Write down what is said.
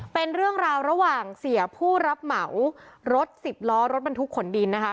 เป็นเรื่องราวระหว่างเสียผู้รับเหมารถสิบล้อรถบรรทุกขนดินนะคะ